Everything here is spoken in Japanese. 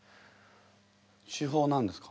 手法なんですか？